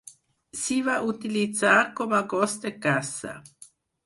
S'hi va utilitzar com a gos de caça.